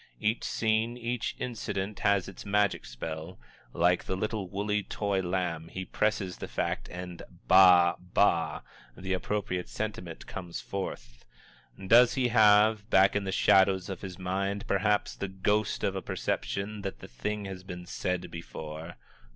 Each scene, each incident has its magic spell like the little woolly toy lamb, he presses the fact, and "ba ba" the appropriate sentiment comes forth. Does he have, back in the shadows of his mind, perhaps, the ghost of a perception that the thing has been said before?